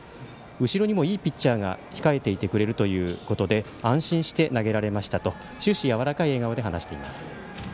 後ろにもいいピッチャーが控えていてくれるということで安心して、投げられましたと終始やわらかい笑顔で話しています。